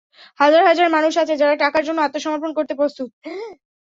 হাজার হাজার মানুষ আছে যারা টাকার জন্য আত্মসমর্পণ করতে প্রস্তুত।